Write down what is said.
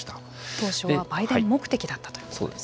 当初は売電目的だったということですね。